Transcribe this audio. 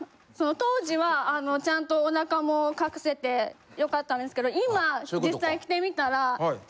当時はちゃんとお腹も隠せて良かったんですけど今実際着てみたら。